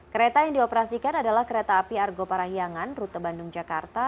kereta yang dioperasikan adalah kereta api argo parahiangan rute bandung jakarta